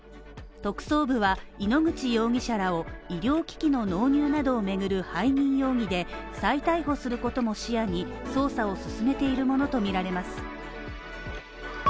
特捜部は、井ノ口容疑者らを医療危機を巡る背任容疑で再逮捕することも視野に捜査を進めているものとみられます。